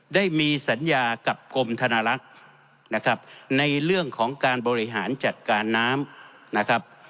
ได้มีสัญญากับกรมธนลักษณ์นะครับในเรื่องของการบริหารจัดการน้ำนะครับ